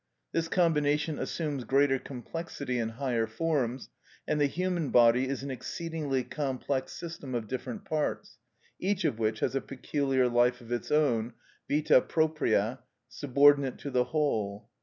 This combination assumes greater complexity in higher forms, and the human body is an exceedingly complex system of different parts, each of which has a peculiar life of its own, vita propria, subordinate to the whole.